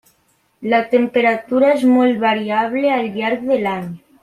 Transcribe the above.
La temperatura és molt variable al llarg de l'any.